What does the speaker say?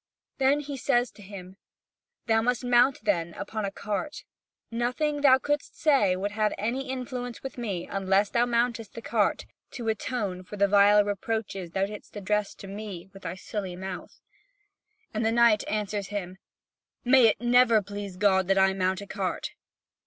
Then he says to him: "Thou must mount, then, upon a cart. Nothing thou couldst say would have any influence with me, unless thou mountest the cart, to atone for the vile reproaches thou didst address to me with thy silly mouth." And the knight thus answers him: "May it never please God that I mount a cart!"